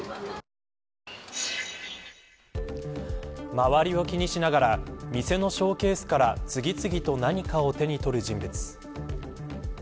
周りを気にしながら店のショーケースから次々と何かを手に取る人物。